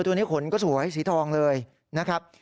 ตัวนี้ขนก็สวยสีทองเลยนะครับ